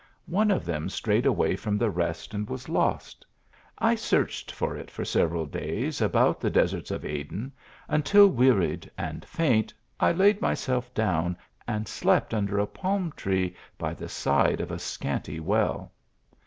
One of them strayed away from the rest, and was lost. I 124 THE ALHAMBRA. searched for it for several days about the deserts of Aden, until wearied and faint, I laid myself down and slept under a palm tree by the side of a scanty well.